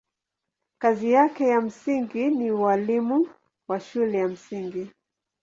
Kazi yake ya msingi ni ualimu wa shule ya msingi.